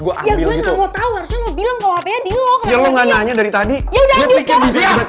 dia pikir bisa tiba tiba muntah